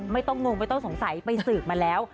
งงไม่ต้องสงสัยไปสืบมาแล้ว